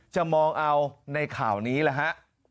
จะมองเอาในข่าวนี้แหละฮะ